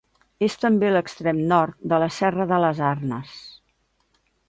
És també l'extrem nord de la Serra de les Arnes.